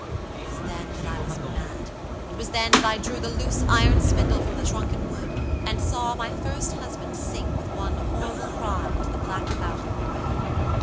It was then that I was mad, it was then that I drew the loose iron spindle from the shrunken wood, and saw my first husband sink with one horrible cry into the black mouth of the well.